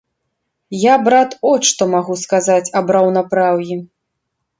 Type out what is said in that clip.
Я, брат, от што магу сказаць аб раўнапраўі.